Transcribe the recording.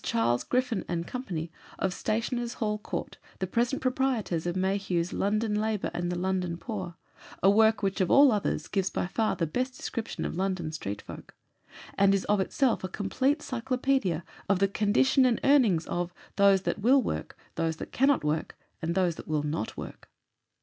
Charles Griffin and Co., of Stationers' Hall Court, the present proprietors of Mayhew's London Labour and the London Poor a work which, of all others, gives by far the best description of LONDON STREET FOLK; and is of itself a complete cyclopædia of the condition and earnings of those that will work, those that cannot work, and those that will not work.